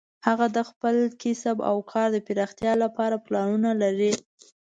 هغه د خپل کسب او کار د پراختیا لپاره پلانونه لري